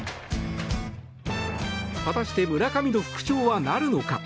果たして村上の復調はなるのか。